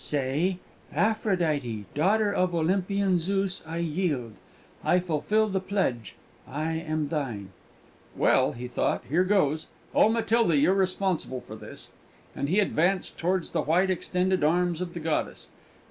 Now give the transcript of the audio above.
"Say, 'Aphrodite, daughter of Olympian Zeus, I yield; I fulfil the pledge; I am thine!'" "Well," he thought, "here goes. Oh, Matilda, you're responsible for this!" And he advanced towards the white extended arms of the goddess.